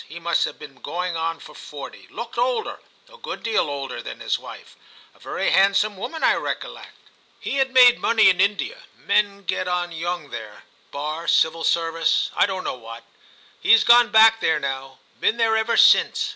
He must have been going on for forty; looked older, a good deal older, than his wife ; a very handsome woman I recollect. He had made money in India; men get on young there — bar, civil service, I don't know what. He's gone back there now; been there ever since